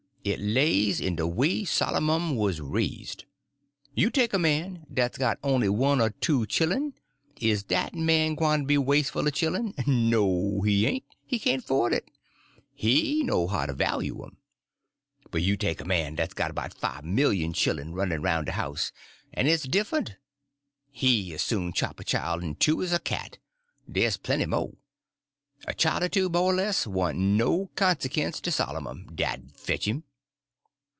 It lays in de way Sollermun was raised. You take a man dat's got on'y one or two chillen; is dat man gwyne to be waseful o' chillen? No, he ain't; he can't 'ford it. He know how to value 'em. But you take a man dat's got 'bout five million chillen runnin' roun' de house, en it's diffunt. He as soon chop a chile in two as a cat. Dey's plenty mo'. A chile er two, mo' er less, warn't no consekens to Sollermun, dad fatch him!"